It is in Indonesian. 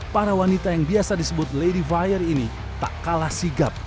para wanita yang biasa disebut lady fire ini tak kalah sigap